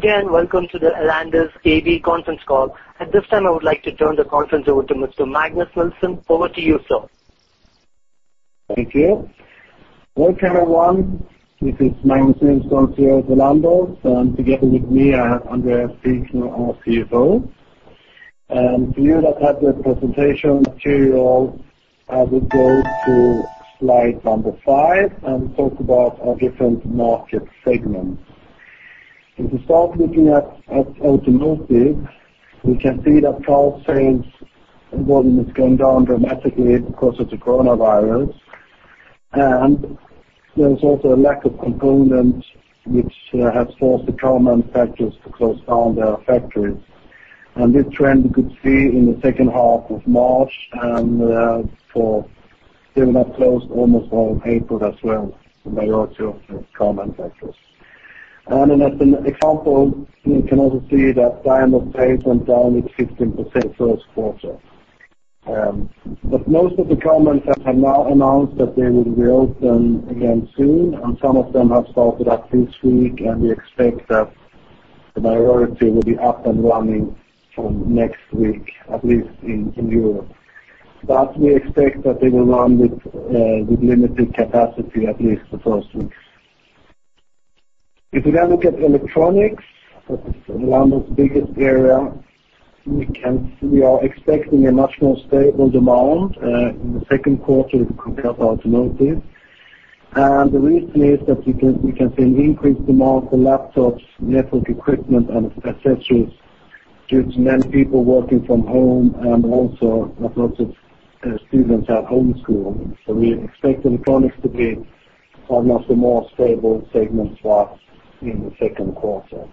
Good day and welcome to the Elanders AB conference call. At this time I would like to turn the conference over to Mr. Magnus Nilsson. Over to you, sir. Thank you. Welcome everyone. This is Magnus Nilsson here at Elanders. Together with me I have Andreas Wikner, our CFO. For you that had the presentation material, I would go to slide number 5 and talk about our different market segments. If we start looking at automotive we can see that car sales volume is going down dramatically because of the coronavirus. And there's also a lack of components which has forced the car manufacturers to close down their factories. And this trend we could see in the second half of March and they were not closed almost all of April as well the majority of the car manufacturers. And then as an example you can also see that Daimler went down by 15% the first quarter. But most of the car manufacturers have now announced that they will reopen again soon. Some of them have started up this week and we expect that the majority will be up and running from next week, at least in Europe. But we expect that they will run with limited capacity at least the first week. If we then look at electronics, that is Elanders' biggest area, we can see we are expecting a much more stable demand in the second quarter if we compare to automotive. And the reason is that we can see an increased demand for laptops, network equipment, and accessories due to many people working from home and also a lot of students at homeschooling. So we expect electronics to be one of the more stable segments for us in the second quarter.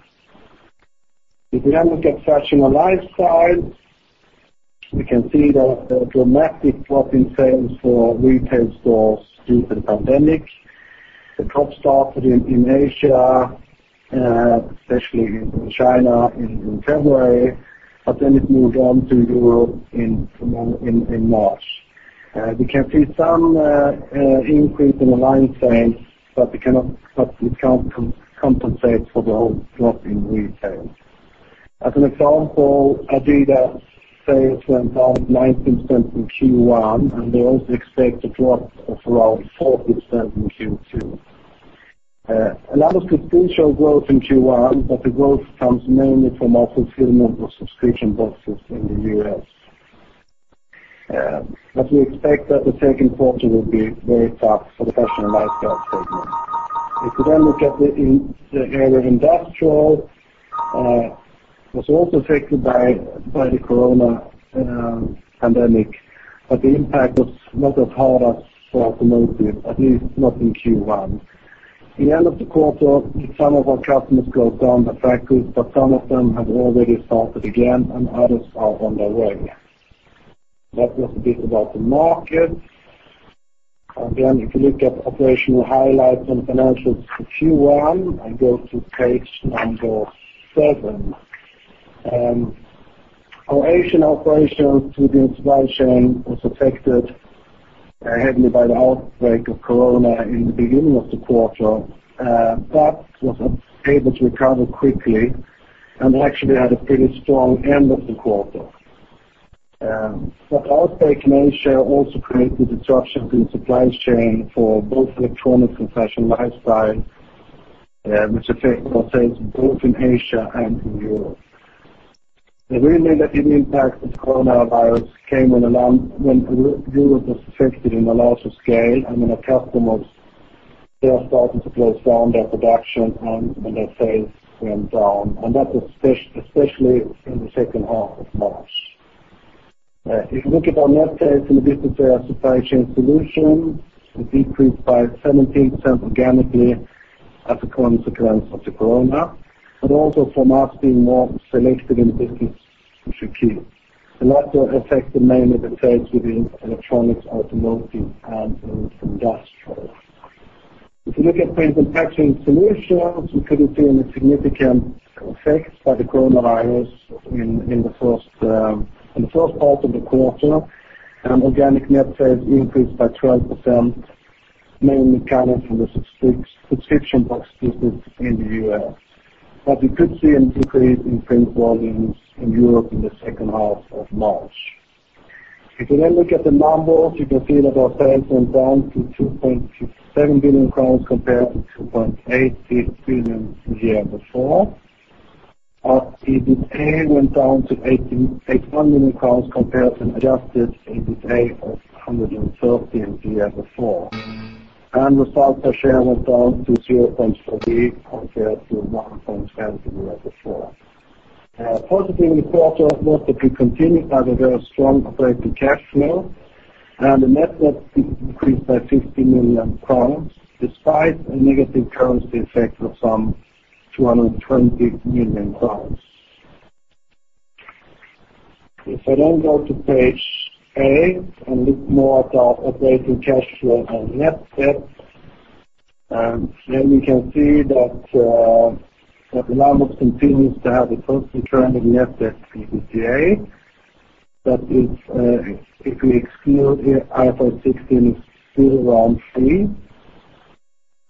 If we then look at fashion and lifestyle, we can see there a dramatic drop in sales for retail stores due to the pandemic. The drop started in Asia, especially in China, in February. But then it moved on to Europe in March. We can see some increase in online sales, but it can't compensate for the whole drop in retail. As an example, Adidas sales went down 19% in Q1, and we also expect a drop of around 40% in Q2. Elanders could still show growth in Q1, but the growth comes mainly from our fulfillment of subscription boxes in the U.S. But we expect that the second quarter will be very tough for the fashion and lifestyle segment. If we then look at the industrial area was also affected by the corona pandemic. But the impact was not as hard as for automotive at least not in Q1. The end of the quarter, some of our customers closed down their factories but some of them have already started again and others are on their way. That was a bit about the markets. Again if you look at operational highlights and financials for Q1 I go to page seven. Our Asian operations through the supply chain was affected heavily by the outbreak of corona in the beginning of the quarter. But was able to recover quickly and actually had a pretty strong end of the quarter. but the outbreak in Asia also created disruptions in the supply chain for both electronics and fashion and lifestyle which affected our sales both in Asia and in Europe. The real negative impact of the coronavirus came when Europe was affected on a larger scale. I mean our customers they are starting to close down their production and their sales went down. And that was especially in the second half of March. If you look at our net sales in the business area Supply Chain Solutions, there was a decrease by 17% organically as a consequence of the corona. But also from us being more selective in the business which we keep. And that affected mainly the sales within electronics, automotive and industrial. If you look at Print & Packaging Solutions, we couldn't see any significant effects by the coronavirus in the first part of the quarter. Organic net sales increased by 12% mainly coming from the subscription box business in the US. But we could see an increase in print volumes in Europe in the second half of March. If you then look at the numbers, you can see that our sales went down to 2.57 billion crowns compared to 2.80 billion the year before. Our EBITDA went down to SEK 88 million compared to an adjusted EBITDA of 113 million the year before. Results per share went down to 0.40 compared to 1.70 the year before. Positive in the quarter was that we continued by the very strong operating cash flow. The net debt increased by 50 million despite a negative currency effect of some 220 million. If I then go to page 8 and look more at our operating cash flow and net debt, then we can see that Elanders continues to have the first reduction in net debt to EBITDA. That is, if we exclude IFRS 16, it is still around 3.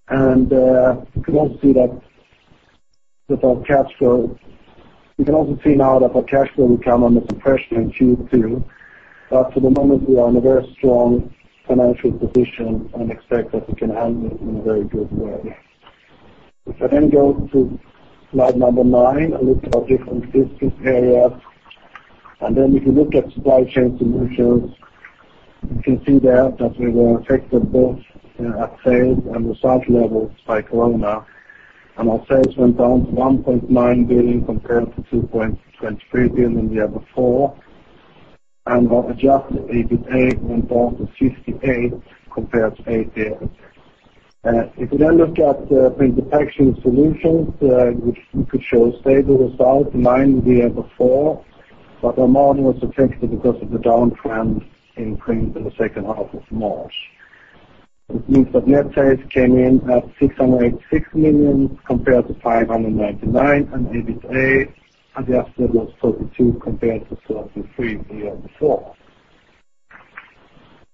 And you can also see that our cash flow will come on the compression in Q2. But for the moment, we are in a very strong financial position and expect that we can handle it in a very good way. If I then go to slide number 9, I look at our different business areas. And then if you look at Supply Chain Solutions you can see there that we were affected both at sales and results levels by corona. And our sales went down to 1.9 billion compared to 2.23 billion the year before. And our Adjusted EBITDA went down to 58 million compared to 88 million. If we then look at Print & Packaging Solutions which we could show stable results in the year before. But our margin was affected because of the downtrend in print in the second half of March. Which means that net sales came in at 686 million compared to 599 million and EBITDA adjusted was 42 million compared to 43 million the year before.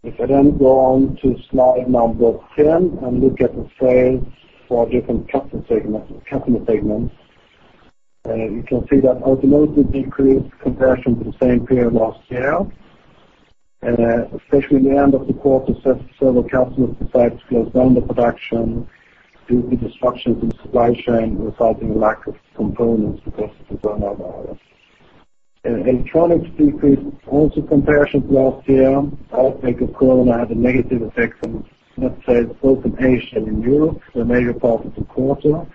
If I then go on to slide number 10 and look at the sales for different customer segments, you can see that automotive decreased compared to the same period last year. Especially in the end of the quarter, several customers decided to close down their production due to disruptions in the supply chain resulting in lack of components because of the coronavirus. Electronics decreased also compared to last year. Outbreak of corona had a negative effect on net sales both in Asia and in Europe for a major part of the quarter.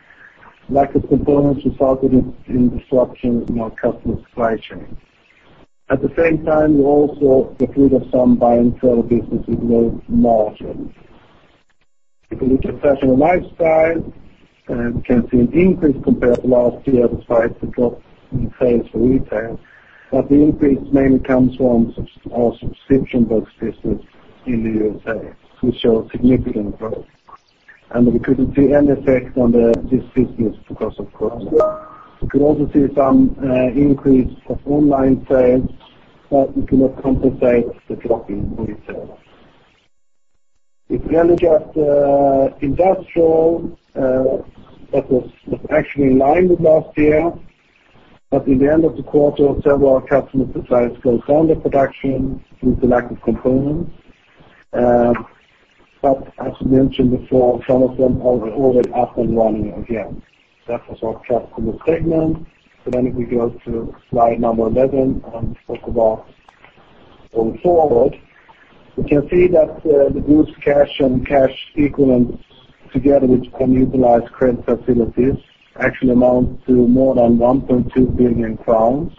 Lack of components resulted in disruptions in our customer supply chain. At the same time we also got rid of some buy-and-sell business with low margins. If we look at fashion and lifestyle, we can see an increase compared to last year despite the drop in sales for retail. But the increase mainly comes from our subscription box business in the USA which showed significant growth. And we couldn't see any effect on this business because of corona. We could also see some increase of online sales but we could not compensate the drop in retail. If we then look at industrial that was actually in line with last year. But in the end of the quarter several customers decided to close down their production due to lack of components. But as we mentioned before some of them are already up and running again. That was our customer segment. If we then go to slide 11 and talk about going forward we can see that the cash and cash equivalents together with undrawn credit facilities actually amount to more than 1.2 billion crowns.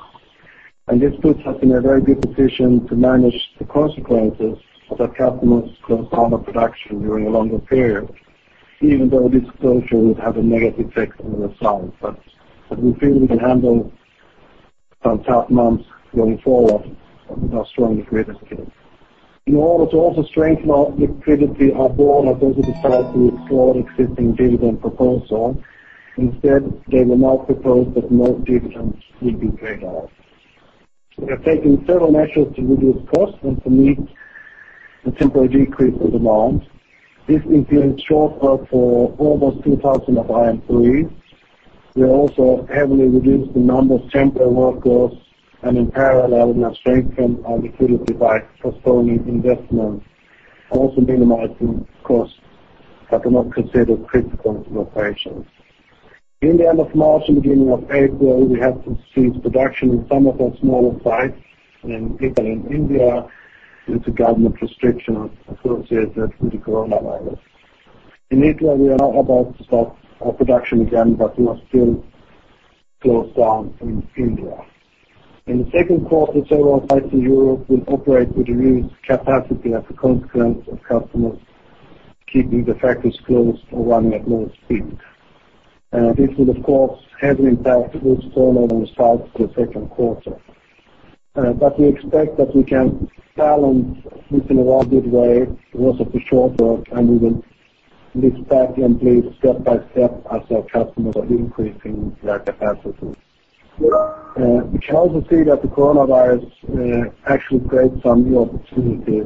This puts us in a very good position to manage the consequences of our customers closing down their production during a longer period. Even though this closure would have a negative effect on results. But we feel we can handle some tough months going forward with our strong liquidity skills. In order to also strengthen our liquidity, our board has also decided to explore an existing dividend proposal. Instead, they will now propose that no dividends will be paid out. We have taken several measures to reduce costs and to meet the temporary decrease in demand. This includes short work for almost 2,000 of our employees. We are also heavily reducing the number of temporary workers and, in parallel, we are strengthening our liquidity by postponing investments, also minimizing costs that are not considered critical to operations. In the end of March and beginning of April we have to cease production in some of our smaller sites in Italy and India due to government restrictions associated with the coronavirus. In Italy we are now about to stop our production again but we are still closed down in India. In the second quarter several sites in Europe will operate with reduced capacity as a consequence of customers keeping the factories closed or running at low speed. This will of course heavily impact this quarter's results for the second quarter. But we expect that we can balance this in a rather good way because of the short work and we will ramp up step by step as our customers are increasing their capacity. We can also see that the coronavirus actually creates some new opportunities.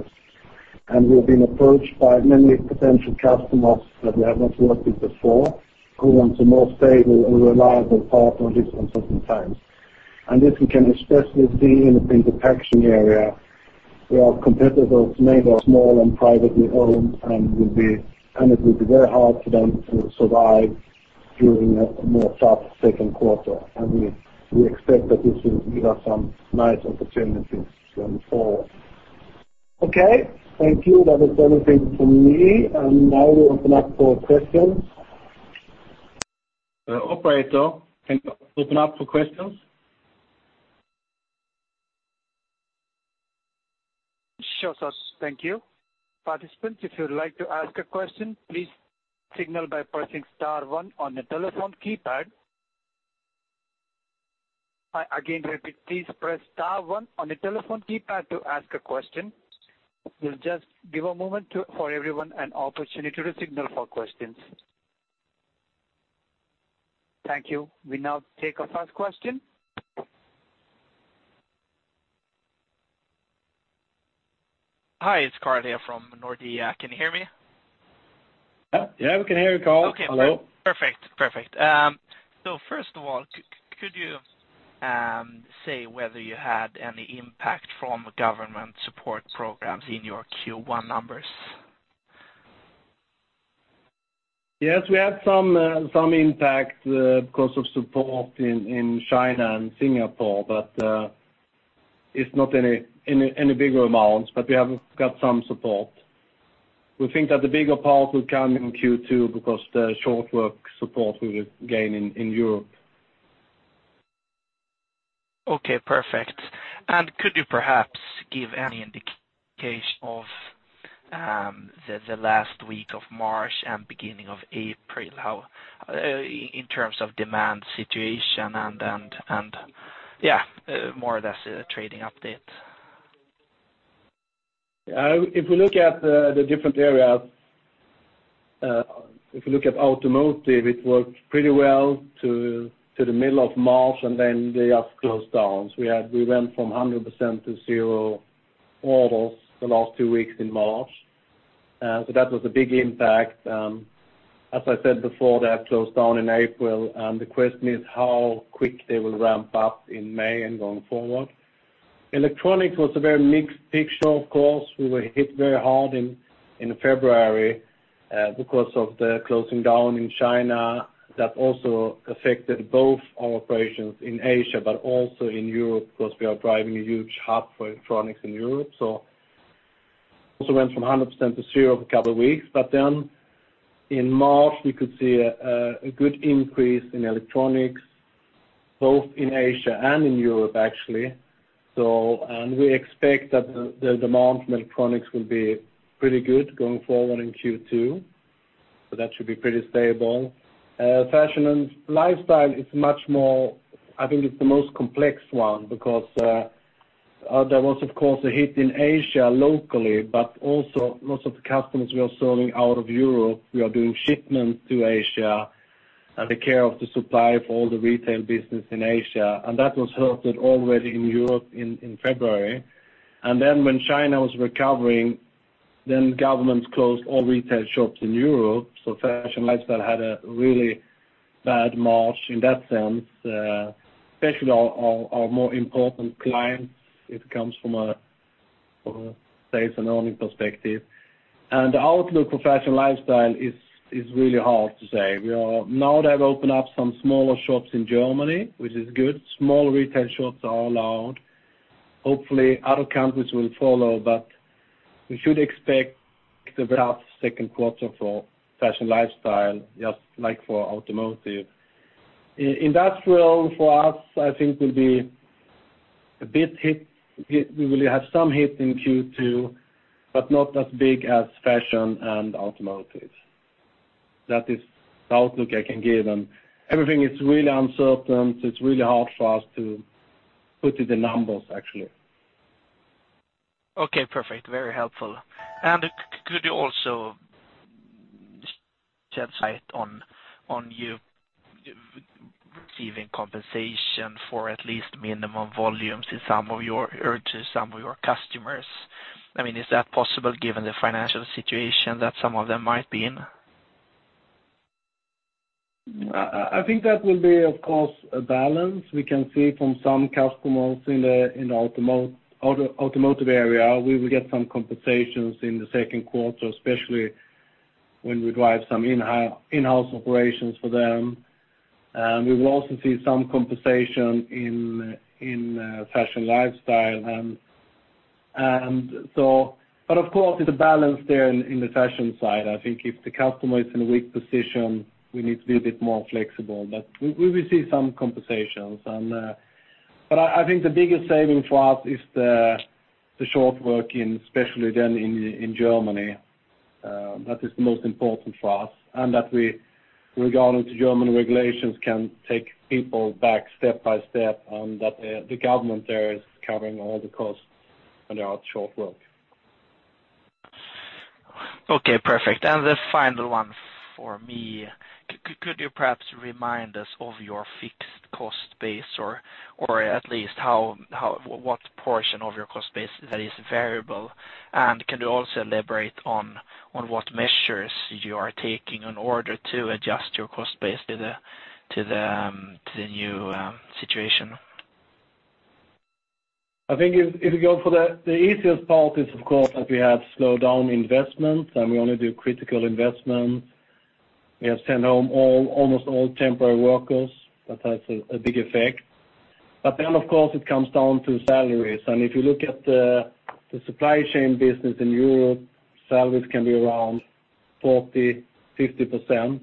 We have been approached by many potential customers that we have not worked with before who want a more stable and reliable partner in different times. And this we can especially see in the print and packaging area. Our competitors are small and privately owned, and it will be very hard for them to survive during a more tough second quarter. And we expect that this will give us some nice opportunities going forward. Okay, thank you. That is everything from me. And now we open up for questions. Operator, can you open up for questions? Sure, sir. Thank you. Participants, if you would like to ask a question, please signal by pressing star one on the telephone keypad. I again repeat, please press star one on the telephone keypad to ask a question. We'll just give a moment for everyone an opportunity to signal for questions. Thank you. We now take our first question. Hi, it's Carl here from Nordea. Can you hear me? Yeah, we can hear you, Carl. Okay. Hello. Perfect. Perfect. So first of all, could you say whether you had any impact from government support programs in your Q1 numbers? Yes, we had some impact because of support in China and Singapore, but it's not any bigger amounts. But we have got some support. We think that the bigger part will come in Q2 because the short work support we would gain in Europe. Okay, perfect. And could you perhaps give any indication of the last weeks of March and beginning of April, how in terms of demand situation and yeah, more or less a trading update? If we look at the different areas, if we look at automotive, it worked pretty well to the middle of March and then they are closed down. So we went from 100% to zero orders the last two weeks in March. So that was a big impact. As I said before, they have closed down in April. And the question is how quick they will ramp up in May and going forward. Electronics was a very mixed picture of course. We were hit very hard in February because of the closing down in China. That also affected both our operations in Asia but also in Europe because we are driving a huge hub for electronics in Europe. So also went from 100% to zero for a couple of weeks. But then in March we could see a good increase in electronics both in Asia and in Europe actually. So and we expect that the demand from electronics will be pretty good going forward in Q2. So that should be pretty stable. Fashion and Lifestyle is much more, I think it's the most complex one because there was of course a hit in Asia locally but also lots of the customers we are serving out of Europe. We are doing shipments to Asia and take care of the supply for all the retail business in Asia. And that was hurt already in Europe in February. And then when China was recovering then governments closed all retail shops in Europe. So Fashion and Lifestyle had a really bad March in that sense. especially our more important clients if it comes from a sales and earnings perspective. And the outlook for fashion and lifestyle is really hard to say. We are now; they have opened up some smaller shops in Germany, which is good. Smaller retail shops are allowed. Hopefully other countries will follow, but we should expect a very tough second quarter for fashion and lifestyle, just like for automotive. Industrial for us, I think, will be a bit hit. We will have some hit in Q2 but not as big as fashion and automotive. That is the outlook I can give. And everything is really uncertain. So it's really hard for us to put it in numbers actually. Okay, perfect. Very helpful. And could you also set. Right now, are you receiving compensation for at least minimum volumes from some of your customers? I mean, is that possible given the financial situation that some of them might be in? I think that will be, of course, a balance. We can see from some customers in the automotive area we will get some compensations in the second quarter, especially when we drive some in-house operations for them. We will also see some compensation in fashion and lifestyle. And so, but of course, it's a balance there in the fashion side. I think if the customer is in a weak position, we need to be a bit more flexible. But we will see some compensations. But I think the biggest saving for us is the short work especially then in Germany. That is the most important for us. And that we, regarding German regulations, can take people back step by step and that the government there is covering all the costs when there are short work. Okay, perfect. And the final one for me, could you perhaps remind us of your fixed cost base or at least what portion of your cost base that is variable? And can you also elaborate on what measures you are taking in order to adjust your cost base to the new situation? I think if you go for the easiest part is of course that we have slowed down investments and we only do critical investments. We have sent home almost all temporary workers. That has a big effect. Then of course it comes down to salaries. If you look at the supply chain business in Europe, salaries can be around 40-50%.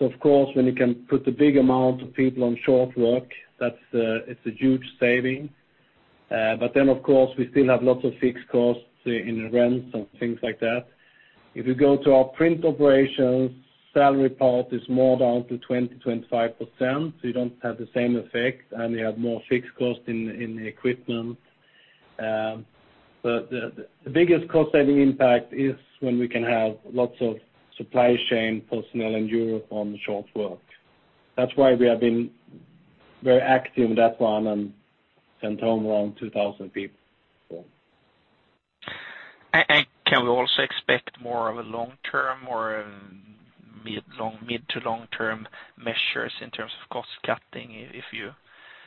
Of course when you can put a big amount of people on short work, that's a huge saving. Then of course we still have lots of fixed costs in rents and things like that. If you go to our print operations, salary part is more down to 20-25%. You don't have the same effect and you have more fixed costs in the equipment. The biggest cost-saving impact is when we can have lots of supply chain personnel in Europe on short work. That's why we have been very active in that one and sent home around 2,000 people. And can we also expect more of a long-term or mid- to long-term measures in terms of cost cutting if you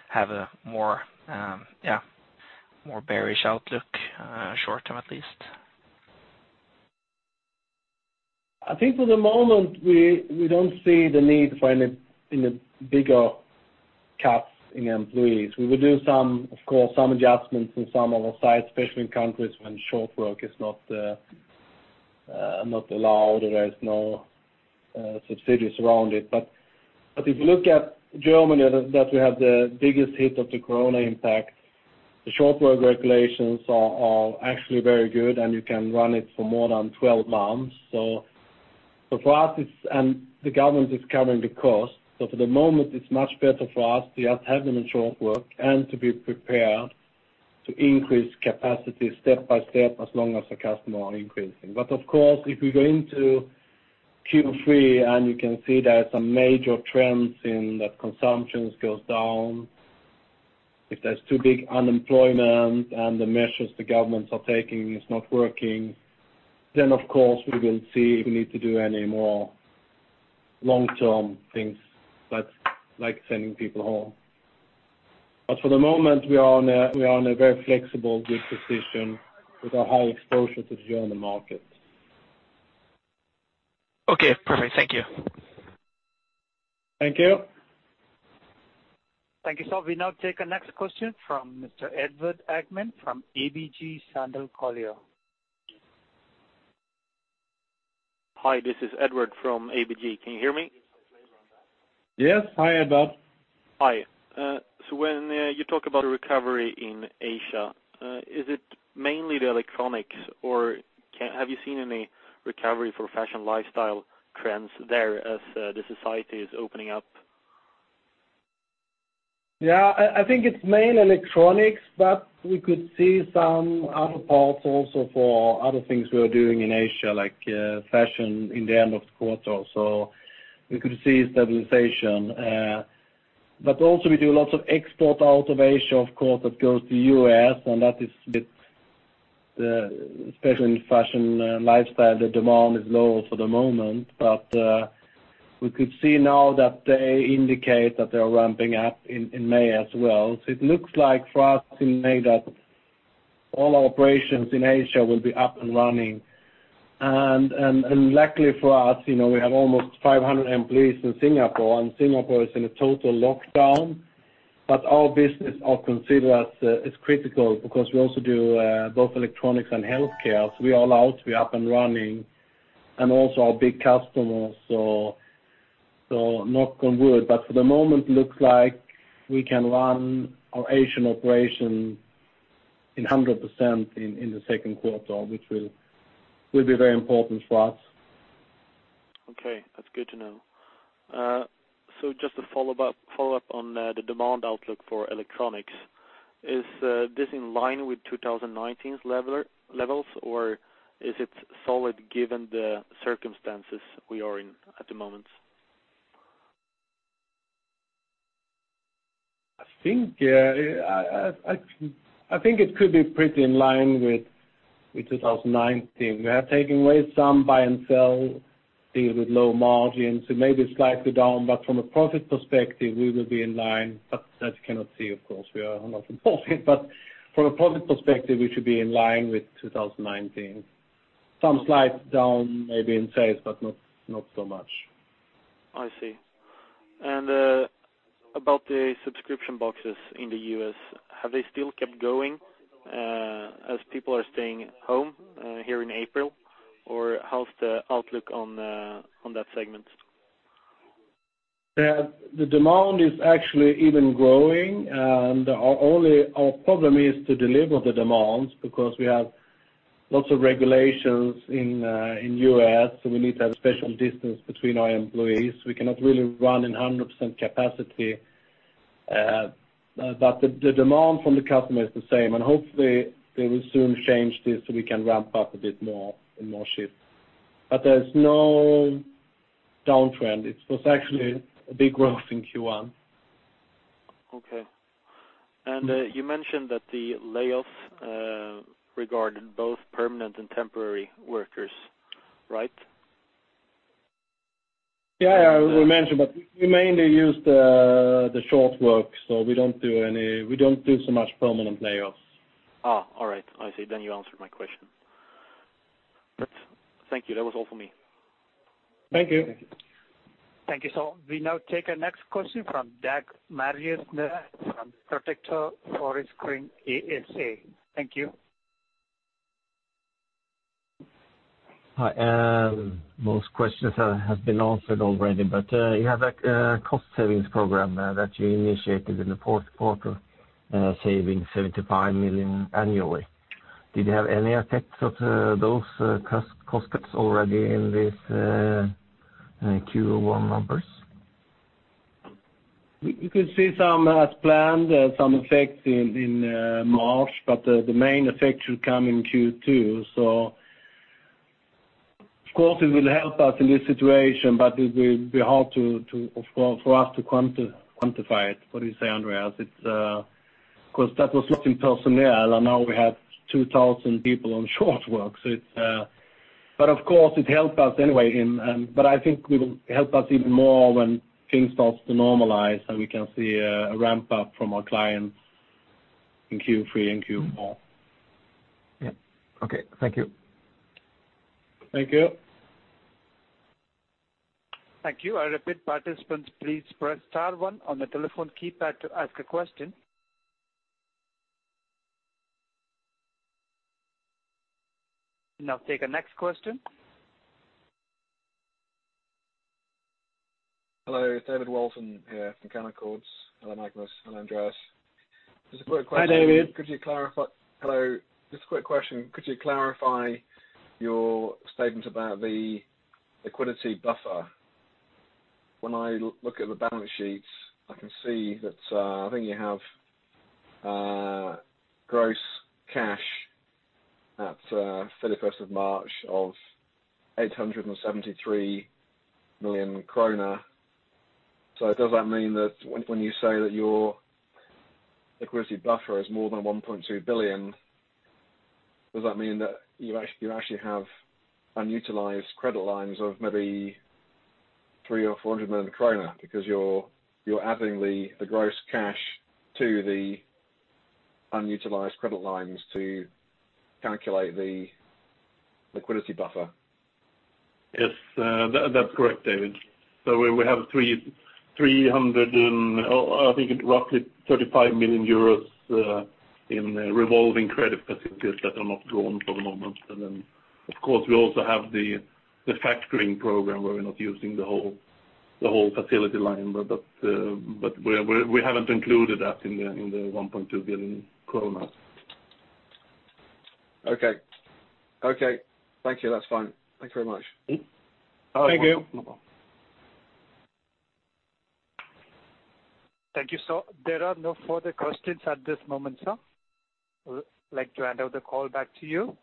have a more yeah more bearish outlook short-term at least? I think for the moment we don't see the need for any in a bigger cut in employees. We will do some of course some adjustments in some of our sites especially in countries when short work is not allowed or there's no subsidies around it. But if you look at Germany that we had the biggest hit of the corona impact the short work regulations are actually very good and you can run it for more than 12 months. So for us it's and the government is covering the costs. So for the moment it's much better for us to just have them in short work and to be prepared to increase capacity step by step as long as our customer are increasing. But of course if we go into Q3 and you can see there are some major trends in that consumption goes down. If there's too big unemployment and the measures the governments are taking is not working then of course we will see if we need to do any more long-term things that's like sending people home. But for the moment we are in a very flexible good position with our high exposure to the German market. Okay perfect. Thank you. Thank you. Thank you sir. We now take our next question from Mr. Edvard Akman from ABG Sundal Collier. Hi this is Edvard from ABG. Can you hear me? Yes, hi Edvard. Hi. So when you talk about the recovery in Asia, is it mainly the electronics or have you seen any recovery for fashion and lifestyle trends there as the society is opening up? Yeah, I think it's mainly electronics, but we could see some other parts also for other things we are doing in Asia like fashion in the end of the quarter. So we could see stabilization. But also we do lots of export out of Asia of course that goes to the US and that is it, especially in fashion and lifestyle the demand is lower for the moment. But we could see now that they indicate that they are ramping up in May as well. So it looks like for us in May that all our operations in Asia will be up and running. Luckily for us, you know, we have almost 500 employees in Singapore and Singapore is in a total lockdown. But our business is considered as critical because we also do both electronics and healthcare. So we are allowed to be up and running. And also our big customers, so knock on wood. But for the moment it looks like we can run our Asian operations at 100% in the second quarter, which will be very important for us. Okay, that's good to know. So just a follow-up on the demand outlook for electronics. Is this in line with 2019's level or levels or is it solid given the circumstances we are in at the moment? I think, yeah, I think it could be pretty in line with 2019. We have taken away some buy and sell deal with low margins. So maybe slightly down but from a profit perspective we will be in line. But that you cannot see of course. We are a lot of profit. But from a profit perspective we should be in line with 2019. Some slight down maybe in sales but not not so much. I see. And about the subscription boxes in the US have they still kept going as people are staying home here in April? Or how's the outlook on on that segment? Yeah the demand is actually even growing. And our only our problem is to deliver the demands because we have lots of regulations in in US. So we need special distance between our employees. We cannot really run in 100% capacity, but the the demand from the customer is the same. Hopefully they will soon change this so we can ramp up a bit more in more shifts. But there's no downtrend. It was actually a big growth in Q1. Okay. And you mentioned that the layoffs regarded both permanent and temporary workers, right? Yeah, yeah, we mentioned, but we mainly used the short work. So we don't do any; we don't do so much permanent layoffs. All right. I see. Then you answered my question. That's thank you. That was all for me. Thank you. Thank you, sir. We now take our next question from Dag Marius Nereng from Protector Forsikring ASA. Thank you. Hi, most questions have been answered already. But you have a cost savings program that you initiated in the fourth quarter, saving 75 million annually. Did you have any effects of those cost cuts already in this Q1 numbers? We could see some as planned effects in March but the main effect should come in Q2. So of course it will help us in this situation but it will be hard to of course for us to quantify it. What do you say, Andreas? It's 'cause that was lost in personnel and now we have 2,000 people on short work. So it's but of course it helps us anyway in but I think we will help us even more when things start to normalize and we can see a ramp up from our clients in Q3 and Q4. Yep. Okay, thank you. Thank you. Thank you. I repeat, participants, please press star one on the telephone keypad to ask a question. Now take our next question. Hello, it's David Wilson here from Canaccord. Hello, Magnus. Hello, Andreas. Just a quick question. Hi David. Could you clarify your statement about the liquidity buffer? When I look at the balance sheets I can see that I think you have gross cash at 31 March of 873 million kronor. So does that mean that when you say that your liquidity buffer is more than 1.2 billion does that mean that you actually have unutilized credit lines of maybe 300 million or 400 million kronor because you're adding the gross cash to the unutilized credit lines to calculate the liquidity buffer? Yes that's correct David. So we have 300 million and oh I think it's roughly 35 million euros in revolving credit facilities that are not drawn for the moment. And then of course we also have the factoring program where we're not using the whole facility line but we haven't included that in the 1.2 billion. Okay. Thank you. That's fine. Thanks very much. Thank you. No problem. Thank you sir. There are no further questions at this moment sir. Would like to hand over the call back to you.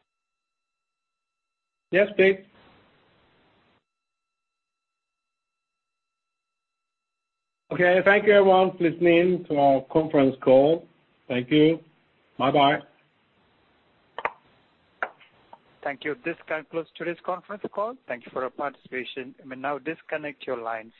Yes please. Okay thank you everyone. Please remain on the line for our conference call. Thank you. Bye-bye. Thank you. This concludes today's conference call. Thank you for your participation. You may now disconnect your line.